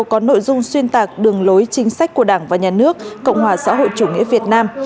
có nội dung xuyên tạc đường lối chính sách của đảng và nhà nước cộng hòa xã hội chủ nghĩa việt nam